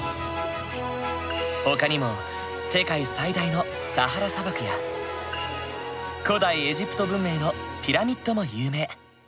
ほかにも世界最大のサハラ砂漠や古代エジプト文明のピラミッドも有名。